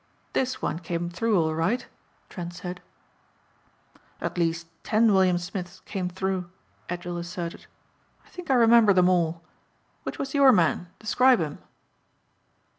"This one came through all right," Trent said. "At least ten William Smiths came through," Edgell asserted. "I think I remember them all. Which was your man? Describe him."